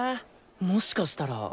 もしかしたら。